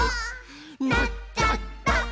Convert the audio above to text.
「なっちゃった！」